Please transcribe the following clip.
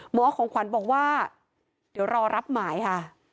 หมอของขวัญบอกว่าเดี๋ยวรอรับหมายค่ะ